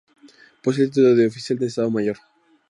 Poseía el título de oficial de Estado Mayor.